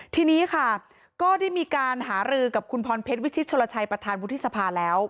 ทีนี้ค่ะก็ได้มีการหารือกับคุณพรเพชรวิชิตชนลชัยประธานวุฒิสภาแล้ว